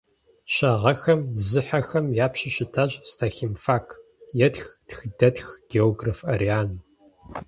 Щэ гъэхэм зыхьэхэм я пщу щытащ Стахемфак, - етх тхыдэтх, географ Арриан.